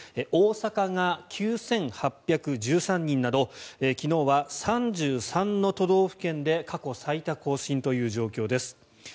大阪が９８１３人など昨日は３３の都道府県で過去最多更新という状況です。